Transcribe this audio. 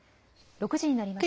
６時になりました。